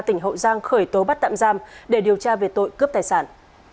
tỉnh hậu giang khởi tố bắt tạm giam để điều tra về tội cướp tài sản